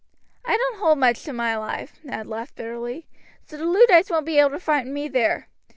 "I don't hold much to my life," Ned laughed bitterly, "so the Luddites won't be able to frighten me there."